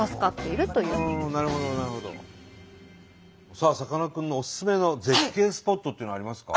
さあさかなクンのおすすめの絶景スポットっていうのはありますか？